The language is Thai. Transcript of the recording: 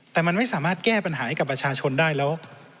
แต่มันไม่สามารถแก้ปัญหาให้กับประชาชนได้แล้ว